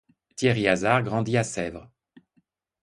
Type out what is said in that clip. Thierry Hazard grandit à Sèvres.